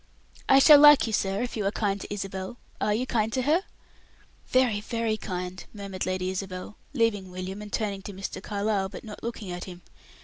"I shall like you, sir, if you are kind to Isabel. Are you kind to her?" "Very, very kind," murmured Lady Isabel, leaving William, and turning to Mr. Carlyle, but not looking at him.